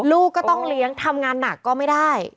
ลูกก็ต้องเลี้ยงทำงานหนักก็ไม่ได้